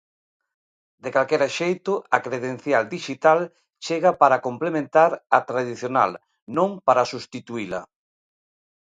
De calquera xeito, a credencial dixital chega para complementar a tradicional, non para substituíla.